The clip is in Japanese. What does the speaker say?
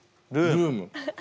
「ルーム」！